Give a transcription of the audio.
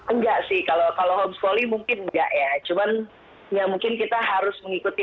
enggak sih kalau homespoli mungkin enggak ya cuman ya mungkin kita harus mengikuti